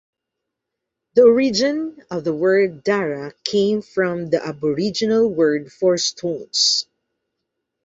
The origin of the word Darra came from the Aboriginal word for 'stones'.